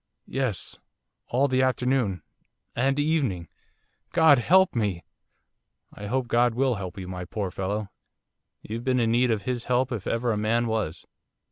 'Yes all the afternoon and evening God help me!' 'I hope God will help you my poor fellow; you've been in need of His help if ever man was.